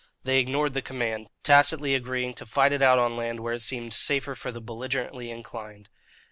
They ignored the command, tacitly agreeing to fight it out on land where it seemed safer for the belligerently inclined.